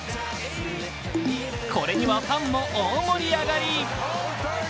これにはファンも大盛り上がり。